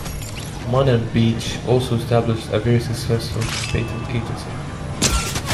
Munn and Beach also established a very successful patent agency.